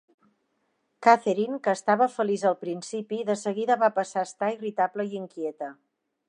Catherine, que estava feliç al principi, de seguida va passar a estar irritable i inquieta.